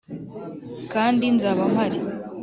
kandi nzaba mpari,